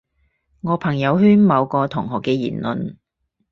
我朋友圈某個同學嘅言論